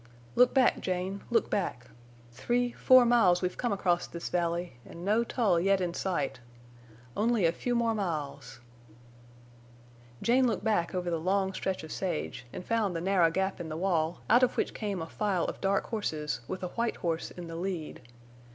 "Look back, Jane, look back. Three—four miles we've come across this valley, en' no Tull yet in sight. Only a few more miles!" Jane looked back over the long stretch of sage, and found the narrow gap in the wall, out of which came a file of dark horses with a white horse in the lead.